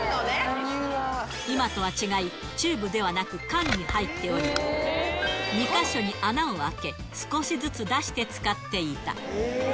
今とは違い、チューブではなく、缶に入っており、２か所に穴を開け、少しずつ出して使っていた。